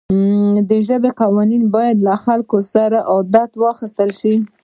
د ژبې قوانین باید د خلکو له عادتونو واخیستل شي.